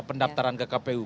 pendaftaran ke kpu